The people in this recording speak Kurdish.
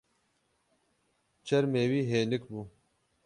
Çermê wî hênik bû.